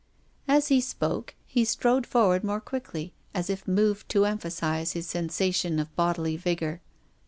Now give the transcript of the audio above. As he spoke he strode forward more quickly^ as if moved to emphasise his sensation of bodily vigour.